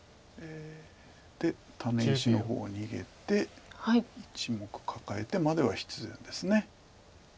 でタネ石の方を逃げて１目カカえてまでは必然です。